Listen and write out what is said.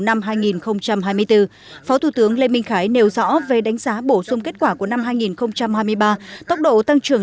năm hai nghìn hai mươi bốn phó thủ tướng lê minh khái nêu rõ về đánh giá bổ sung kết quả của năm hai nghìn hai mươi ba tốc độ tăng trưởng